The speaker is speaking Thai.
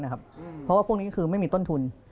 เพราะว่าพวกนี้ก็คือไม่มีต้นทุน